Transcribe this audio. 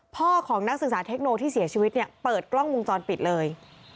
พ่อของนักศึกษาเทคโนที่เสียชีวิตเนี่ยเปิดกล้องวงจรปิดเลย